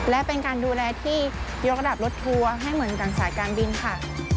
และเป็นการดูแลที่ยกระดับรถทัวร์ให้เหมือนกับสายการบินค่ะ